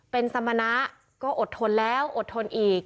เป็นสมณะก็อดทนแล้วอดทนอีก